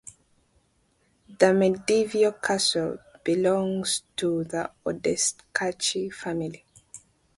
The medieval castle belongs to the Odescalchi family.